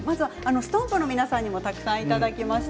ＳＴＯＭＰの皆さんにもたくさんいただきました。